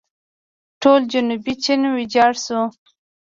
ټول جنوبي چین ویجاړ شو.